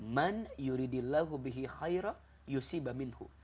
man yuridillahu bihi khaira yusiba minhu